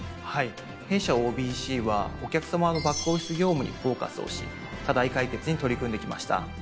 弊社ＯＢＣはお客さまのバックオフィス業務にフォーカスをし課題解決に取り組んできました。